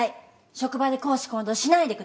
職場で公私混同しないでください。